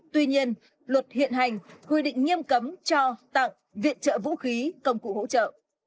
tuy nhiên luật hiện hành quy định nghiêm cấm cho tặng viện trợ vũ khí công cụ hỗ trợ